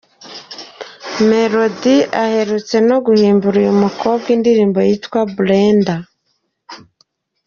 Melodie aherutse no guhimbira uyu mukobwa indirimbo yitwa Brenda.